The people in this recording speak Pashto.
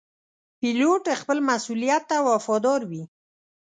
پیلوټ خپل مسؤولیت ته وفادار وي.